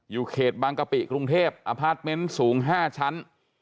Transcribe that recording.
อยู่เขตบางกะปิกรุงเทพฯอพาร์ทเมนจ์สูงห้าชั้น